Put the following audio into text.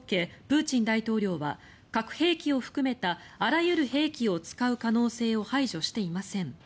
プーチン大統領は核兵器を含めたあらゆる兵器を使う可能性を排除していません。